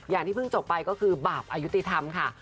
อย่างที่เพิ่งจบไปก็คือบาปอายุติธรรมค่ะ